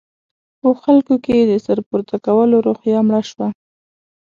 په خلکو کې د سر پورته کولو روحیه مړه شوه.